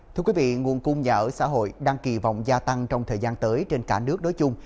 thưa quý vị nguồn cung nhà ở xã hội đang kỳ vọng gia tăng trong thời gian tới trên cả nước đối chung